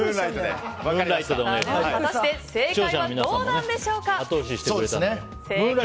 果たして正解はどうなんでしょうか。